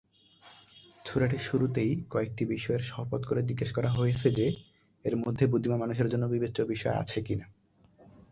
সূরাটির শুরুতেই কয়েকটি বিষয়ের শপথ করে জিজ্ঞাসা করা হয়েছে যে, এর মধ্যে বুদ্ধিমান মানুষদের জন্য বিবেচ্য বিষয় আছে কিনা।